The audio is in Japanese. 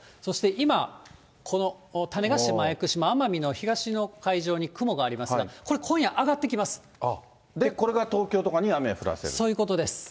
今、この種子島・屋久島、奄美の東の海上に雲がありますが、これが東京とかに雨を降らせそういうことです。